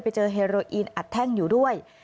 ไปเจอเฮโรอีนอัดแท่งอยู่ด้วย